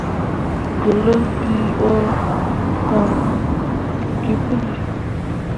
Gǝlak bii ɓo kon gi puli.